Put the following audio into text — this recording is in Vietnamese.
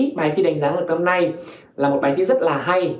em nghĩ bài thi đánh giá năng lực năm nay là một bài thi rất là hay